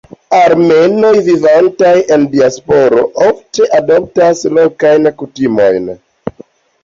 Armenoj vivantaj en la diasporo ofte adoptas lokajn kutimojn.